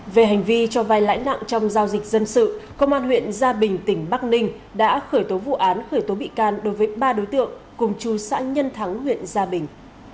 về hành vi cho vai lãi nặng trong giao dịch dân sự công an huyện gia bình tỉnh bắc ninh đã khởi tố vụ án khởi tố bị can đối với ba đối tượng cùng chú xã nhân thắng huyện gia bình